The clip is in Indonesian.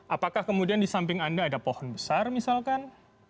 apakah kemudian di samping anda ada pohon besar misalkan